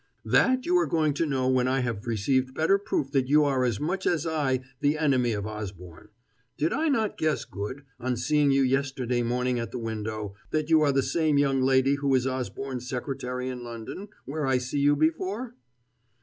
"That you are going to know when I have received better proof that you are as much as I the enemy of Osborne. Did I not guess good, on seeing you yesterday morning at the window, that you are the same young lady who is Osborne's secretary in London, where I see you before?"